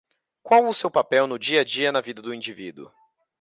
Qual é o seu papel no dia-a-dia na vida do indivíduo?